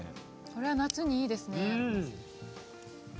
これは夏にいいですね。